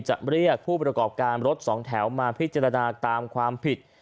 จะเรียกผู้ประกอบการรถสองแถวมาพิจารณาตามความผิด